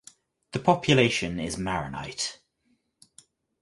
The population is Maronite.